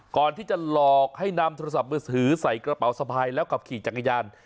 ก่อนที่จะหลอกให้นำโทรศัพท์มือถือใส่กระเป๋าสะพายแล้วขับขี่จักรยาน